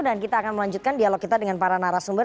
dan kita akan melanjutkan dialog kita dengan para narasumber